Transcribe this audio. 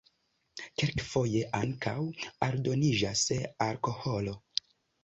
Kelkfoje ankaŭ aldoniĝas alkoholo.